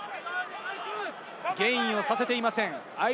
ゲインをさせていません。